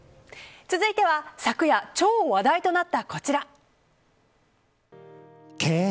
続いては昨夜、超話題となったこちら。